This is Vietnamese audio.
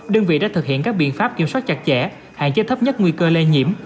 đơn vị đã thực hiện các biện pháp kiểm soát chặt chẽ hạn chế thấp nhất nguy cơ lây nhiễm